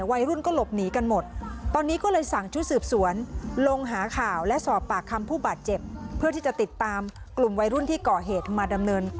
วัยรุ่นก็หลบหนีกันหมด